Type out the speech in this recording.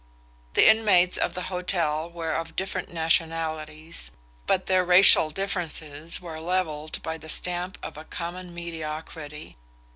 The inmates of the hotel were of different nationalities, but their racial differences were levelled by the stamp of a common mediocrity.